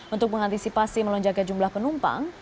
untuk mengantisipasi melonjaknya jumlah penumpang